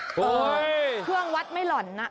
เครื่องวัดไม่หล่อนนะ